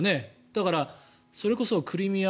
だからそれこそクリミア